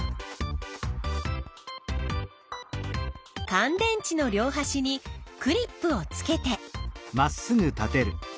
かん電池の両はしにクリップをつけて。